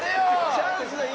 ・チャンスだよ